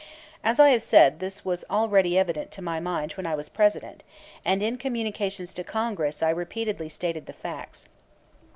As I have said, this was already evident to my mind when I was President, and in communications to Congress I repeatedly stated the facts.